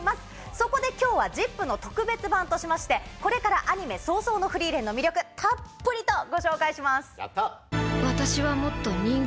そこで今日は『ＺＩＰ！』の特別版としましてこれからアニメ『葬送のフリーレン』の魅力たっぷりとご紹介します。